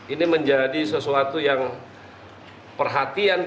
ini menjadi sesuatu yang perhatian kita seorang